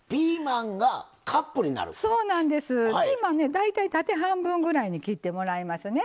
ピーマンね大体縦半分ぐらいに切ってもらいますね。